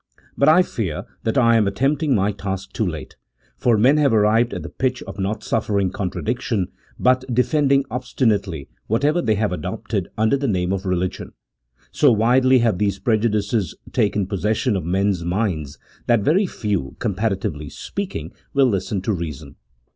But I fear that I am attempting my task too late, for men have arrived at the pitch of not suffering contradiction, but defending obstinately whatever they have adopted under the name of religion. So widely have these prejudices taken possession of men's minds, that very few, comparatively speaking, will listen to reason.